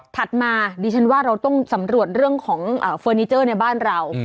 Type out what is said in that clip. มาดิฉันว่าเราต้องสำรวจเรื่องของเฟอร์นิเจอร์ในบ้านเรา